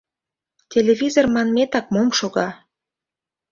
Телевизор манметак мом шога!